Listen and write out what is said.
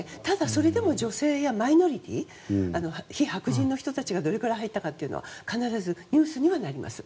それでも女性やマイノリティー非白人の人たちがどれくらい入ったかは必ずニュースにはなります。